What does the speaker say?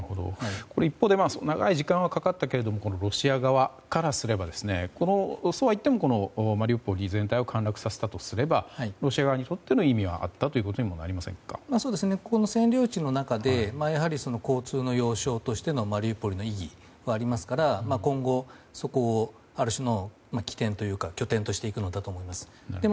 一方で長い時間はかかったけどロシア側からすればそうはいってもマリウポリ全体を陥落させたとすればロシア側にとっての意味はあったということに占領地の中で交通の要衝のマリウポリの意義がありますが今後、そこをある種の起点拠点としていくと思います。